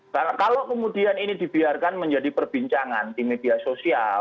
kalau kemudian ini dibiarkan menjadi perbincangan di media sosial